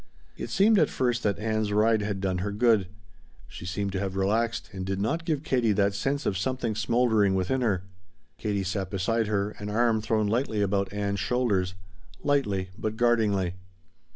It seemed at first that Ann's ride had done her good. She seemed to have relaxed and did not give Katie that sense of something smoldering within her. Katie sat beside her, an arm thrown lightly about Ann's shoulders lightly but guardingly.